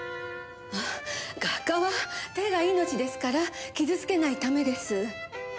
画家は手が命ですから傷つけないためです。